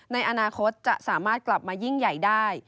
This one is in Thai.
ในอนาคตจะสามารถกลับมายิ่งใหญ่ได้